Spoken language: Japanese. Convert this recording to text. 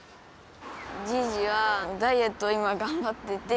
じいじがダイエットを今頑張ってて。